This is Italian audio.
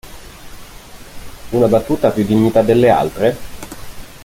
Una battuta ha più dignità delle altre?